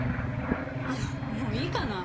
あのもういいかな？